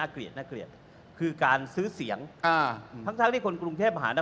ก็เฉพาะกรุงเทพนะ